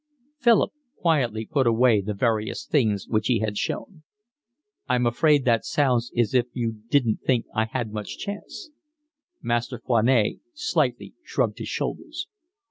Philip quietly put away the various things which he had shown. "I'm afraid that sounds as if you didn't think I had much chance." Monsieur Foinet slightly shrugged his shoulders.